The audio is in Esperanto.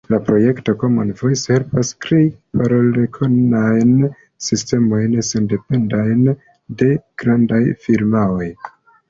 La projekto Common Voice helpas krei parolrekonajn sistemojn, sendependajn de grandaj firmaoj.